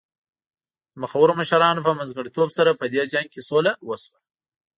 د مخورو مشرانو په منځګړیتوب سره په دې جنګ کې سوله وشوه.